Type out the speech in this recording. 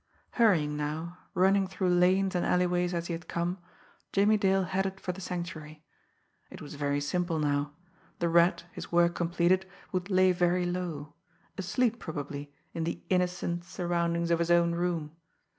Hurrying now, running through lanes and alleyways as he had come, Jimmie Dale headed for the Sanctuary. It was very simple now. The Rat, his work completed, would lay very low asleep probably, in the innocent surroundings of his own room!